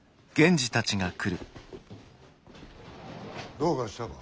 どうかしたか？